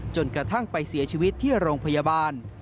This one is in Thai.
จนกระทั่งไปเสียชีวิตที่โรงพยาบาล